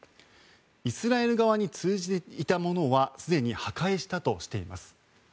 イスラエル側に通じていたものはすでに破壊したとしています。